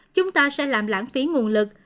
chúng ta sẽ làm lãng phí nguồn lực